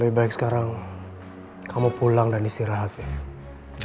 lebih baik sekarang kamu pulang dan istirahat ya